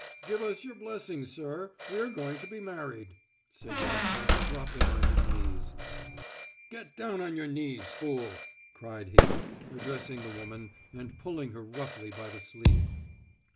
"Give us your blessing, sir, we're going to be married," said Yasha, dropping on his knees. "Get down on your knees, fool," cried he, addressing the woman and pulling her roughly by the sleeve.